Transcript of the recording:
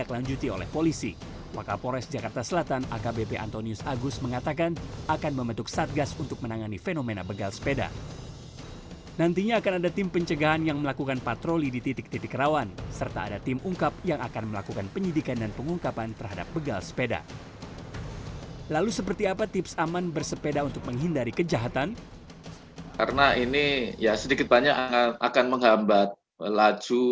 laju istilahnya gerakan kita